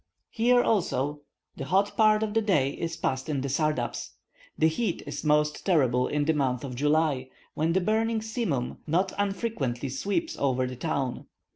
Here also the hot part of the day is passed in the sardabs. The heat is most terrible in the month of July, when the burning simoom not unfrequently sweeps over the town.